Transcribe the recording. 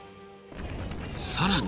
［さらに］